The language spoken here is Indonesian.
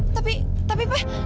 tapi tapi pak